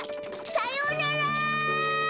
さようなら！